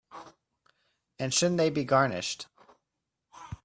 And shouldn't they be garnished?